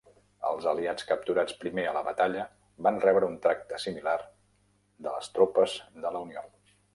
Els aliats capturats primer a la batalla van rebre un tracte similar de les tropes de la Unió.